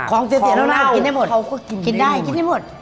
ของเศรษฐ์เราเขาก็กินได้หมด